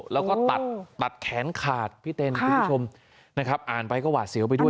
แล้วก็ตัดแขนขาดพี่เต้นผู้ชมอ่านไปก็หวาดเสียวไปด้วย